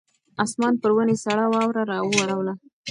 اسمان پر ونې سړه واوره راووروله.